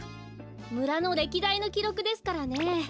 むらのれきだいのきろくですからね。